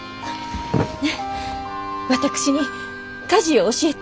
ねっ私に家事を教えて。